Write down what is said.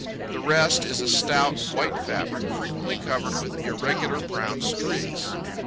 The rest is a stout white fabric, frequently covered with irregular brown streaks.